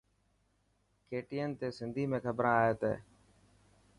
KTN تي سنڌي ۾ کبران ائي تي.